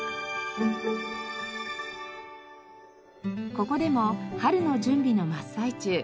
ここでも春の準備の真っ最中。